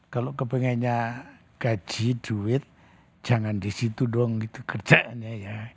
kalau kepinginannya gaji duit jangan di situ doang gitu kerjanya ya